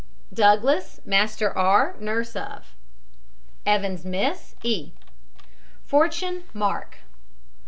DOUGLAS, MASTER R., nurse of. EVANS, MISS E. FORTUNE, MARK.